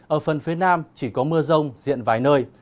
ở phần phía nam chỉ có mưa rông diện vài nơi